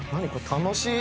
楽しい！